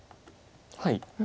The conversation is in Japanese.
はい。